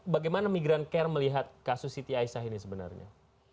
bagaimana migrancare melihat kasus siti aisyah ini sebenarnya